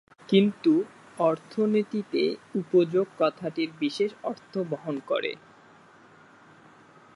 কিন্তু অর্থনীতিতে উপযোগ কথাটির বিশেষ অর্থ বহন করে।